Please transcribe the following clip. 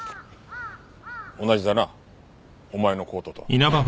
同じだなお前のコートと。